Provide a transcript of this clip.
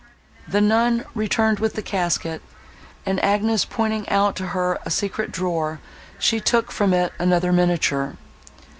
The nun returned with the casket, and, Agnes pointing out to her a secret drawer, she took from it another miniature.